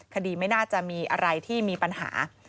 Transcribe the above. ไม่น่าจะมีอะไรที่มีปัญหา